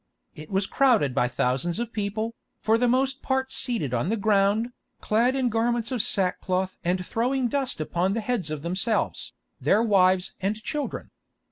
It was crowded by thousands of people, for the most part seated on the ground, clad in garments of sack cloth and throwing dust upon the heads of themselves, their wives and children.